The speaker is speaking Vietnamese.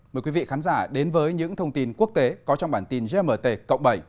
mời quý vị khán giả đến với những thông tin quốc tế có trong bản tin gmt cộng bảy